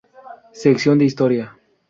Sección de Historia.